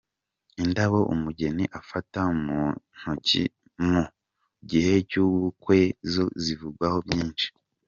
Indabo umugeni afata mu ntoki mu gihe cy’ubukwe zo zivugwaho byinshi.